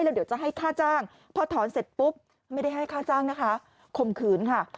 แล้วเดี๋ยวจะให้ค่าจ้างพอถอนเสร็จปุ๊บไม่ได้ให้ค่าจ้างนะคะข่มขืนค่ะ